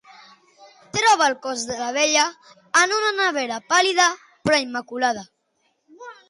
Troba el cos de la vella en una nevera, pàl·lida però immaculada.